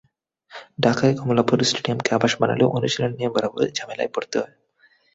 ঢাকায় কমলাপুর স্টেডিয়ামকে আবাস বানালেও অনুশীলন নিয়ে বরাবরই ঝামেলায় পড়তে হয়।